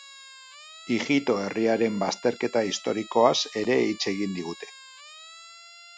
Ijito herriaren bazterketa historikoaz ere hitz egin digute.